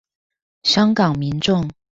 香港民眾